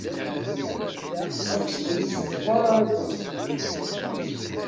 Tettagseḍ-iyi s ẓẓwara i ṭṭrad.